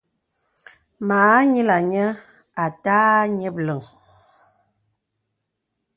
Mâ ǹyilaŋ nyə̀ à tâ ǹyìplàŋ.